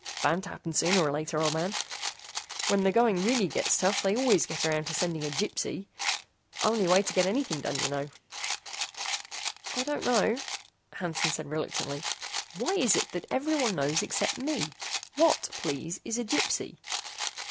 "Bound to happen sooner or later, old man. When the going really gets tough they always get around to sending a Gypsy. Only way to get anything done, you know." "I don't know," Hansen said reluctantly. "Why is it that everyone knows except me? What, please, is a Gypsy?"